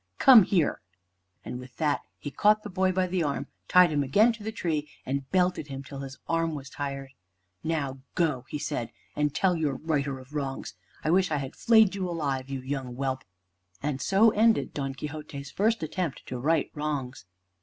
Come here!" And with that he caught the boy by the arm, tied him again to the tree, and belted him till his arm was tired. "Now go," he said, "and tell your righter of wrongs. I wish I had flayed you alive, you young whelp." And so ended Don Quixote's first attempt to right wrongs.